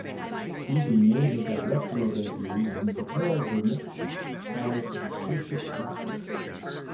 Beatty made his directorial debut in "The Carol Burnett Show" as an associate director.